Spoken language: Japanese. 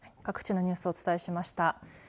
各地のニュースをお伝えしました。